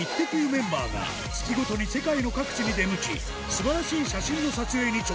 メンバーが月ごとに世界の各地に出向き素晴らしい写真の撮影に挑戦